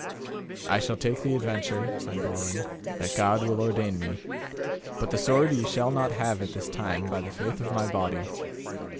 I shall take the adventure, said Balin, that God will ordain me, but the sword ye shall not have at this time, by the faith of my body.